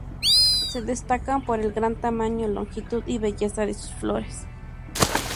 Se destacan por el gran tamaño, longitud y belleza de sus flores.